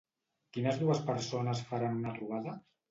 Quines dues persones faran una trobada?